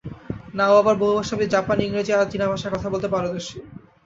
নাউ আবার বহুভাষাবিদ জাপানি, ইংরেজি আর চীনা ভাষায় কথা বলতে পারদর্শী।